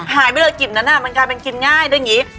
หายไปเลยกลิ่นนั้นมันกลายเป็นกินง่ายได้อย่างนี้